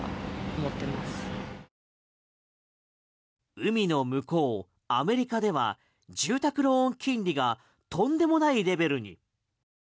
海の向こう、アメリカでは住宅ローン金利がとんでもないレベルに。